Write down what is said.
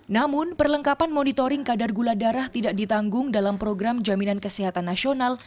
namun perlengkapan monitoring kadar gula darah tidak ditanggung dalam program jaminan kesehatan nasional